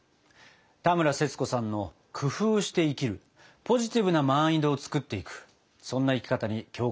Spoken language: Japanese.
田村セツコさんの工夫して生きるポジティブなマインドをつくっていくそんな生き方に共感しました。